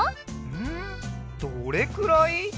んどれくらい？